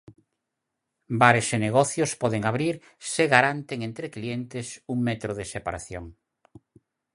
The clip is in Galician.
Bares e negocios poden abrir se garanten entre clientes un metro de separación.